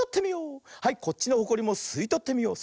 はいこっちのホコリもすいとってみよう。